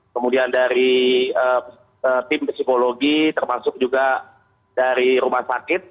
kemudian dari tim psikologi termasuk juga dari rumah sakit